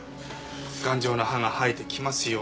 「頑丈な歯が生えてきますように」